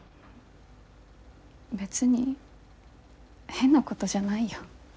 別に変なことじゃないよ。